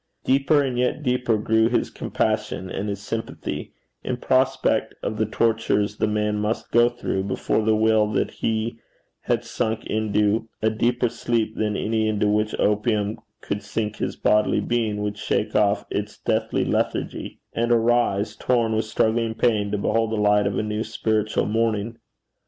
Deeper and yet deeper grew his compassion and his sympathy, in prospect of the tortures the man must go through, before the will that he had sunk into a deeper sleep than any into which opium could sink his bodily being, would shake off its deathly lethargy, and arise, torn with struggling pain, to behold the light of a new spiritual morning.